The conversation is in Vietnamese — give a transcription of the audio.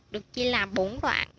được chia làm bốn đoạn